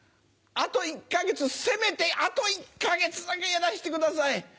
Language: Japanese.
あと１か月せめてあと１か月だけやらしてください。